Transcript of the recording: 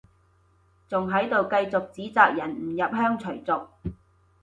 仲喺度繼續指責人唔入鄉隨俗